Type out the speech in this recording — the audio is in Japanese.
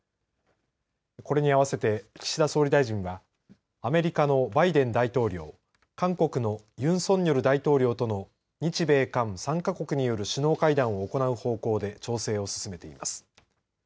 これに合わせて岸田総理大臣はアメリカのバイデン大統領韓国のユン・ソンニョル大統領との日米韓３か国による首脳会談を行う方向で調整を進めています。